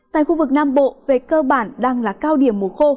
tại khu vực nam bộ về cơ bản đang là cao điểm mùa khô